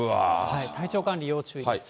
体調管理、要注意です。